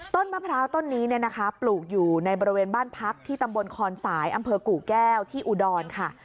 มะพร้าวต้นนี้เนี่ยนะคะปลูกอยู่ในบริเวณบ้านพักที่ตำบลคอนสายอำเภอกู่แก้วที่อุดรค่ะ